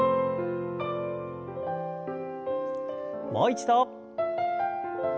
もう一度。